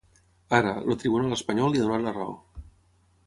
Ara, el tribunal espanyol li ha donat la raó.